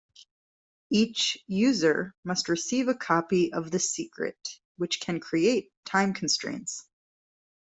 Each user must receive a copy of the secret, which can create time constraints.